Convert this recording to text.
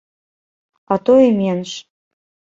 А то і менш.